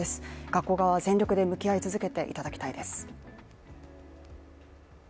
学校側は全力で向き合い続けていただきたいです。